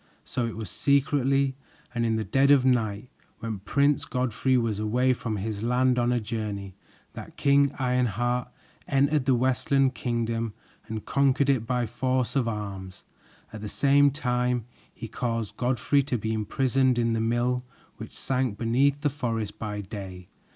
So it was secretly and in the dead of night, when Prince Godfrey was away from his land on a journey, that King Ironheart entered the Westland Kingdom and conquered it by force of arms. At the same time he caused Godfrey to be imprisoned in the mill which sank beneath the forest by day.